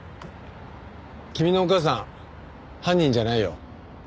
君のお母さん犯人じゃないよ。